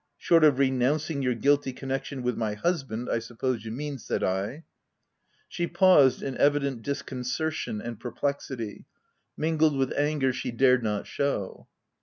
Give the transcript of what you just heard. u Short of renouncing your guilty connec tion with my husband, I suppose you mean," said I. She paused, in evident disconcertion and OF WILDFELL HALL. 311 perplexity, mingled with anger she dared not show.